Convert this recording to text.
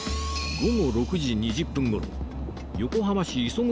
午後６時２０分ごろ横浜市磯子